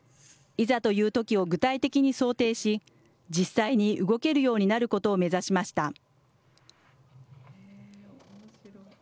いざというときを具体的に想定し実際に動けるようになることを目指しました。